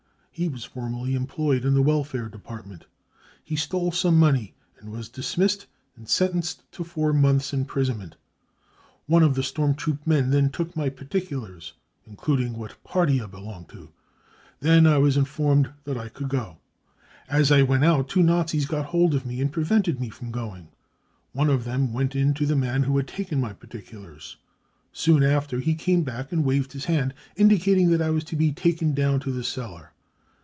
He was formerly employed in the Welfare Department ; he stole some money and was dismissed and sentenced to four months 5 imprisonment. One of the stoiSn troop men then^tode my particulars, including what Party I belonged to. Then I was informed that I could go. " As I went out two Nazis got hold of me and prevented me from going. One of them went in to the man who had taken my particulars. Soon after, he came back and waved his hand, indicating that I was to be taken down to the cellar.